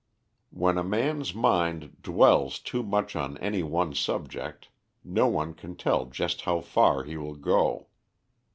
When a man's mind dwells too much on any one subject, no one can tell just how far he will go.